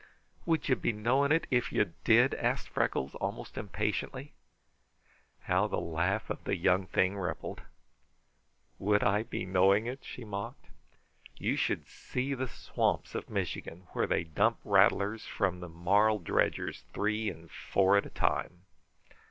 "Would you be knowing it if you did?" asked Freckles, almost impatiently. How the laugh of the young thing rippled! "'Would I be knowing it?'" she mocked. "You should see the swamps of Michigan where they dump rattlers from the marl dredgers three and four at a time!"